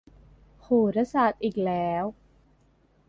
โหราศาสตร์อีกแล้ว